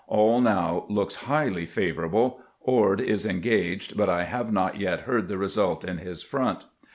All now looks highly favorable. Ord is engaged, but I have not yet heard the result in his front."